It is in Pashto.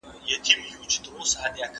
دوی کولای شي له کوره عاید ترلاسه کړي.